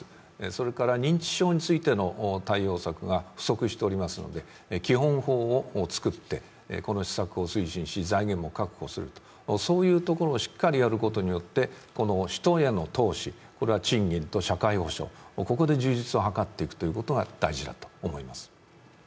それから認知症についての対応策が不足しておりますので、基本法を作って、この施策を推進し、財源も確保すると、そういうところをしっかりやることによってこの人への投資、これは賃金と社会保障、ここで充実を図っていくことが大事だと思います。